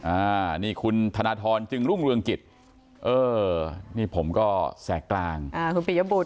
อ่านี่คุณธนทรจึงลุงเรืองกิตอ่านี่ผมก็แสกกลางอ่า